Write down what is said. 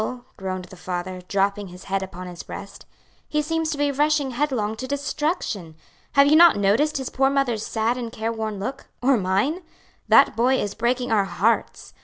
groaned the father, dropping his head upon his breast, "he seems to be rushing headlong to destruction. Have you not noticed his poor mother's sad and careworn look? or mine? That boy is breaking our hearts.